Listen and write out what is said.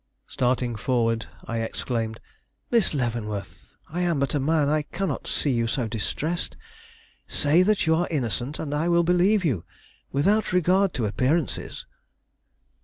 Starting forward, I exclaimed: "Miss Leavenworth, I am but a man; I cannot see you so distressed. Say that you are innocent, and I will believe you, without regard to appearances."